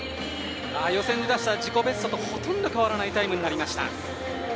予選で出した自己ベストとほとんど変わらないタイムでした。